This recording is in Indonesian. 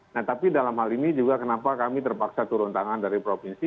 nah tapi dalam hal ini juga kenapa kami terpaksa turun tangan dari provinsi